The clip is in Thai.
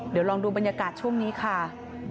เดี๋ยวลองดูบรรยากาศช่วงนี้ค่ะ